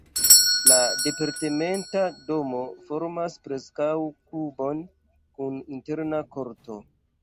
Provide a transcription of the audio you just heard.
La departementa domo formas preskaŭ kubon kun interna korto.